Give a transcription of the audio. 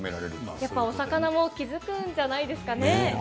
やっぱりお魚も気付くんじゃないですかね。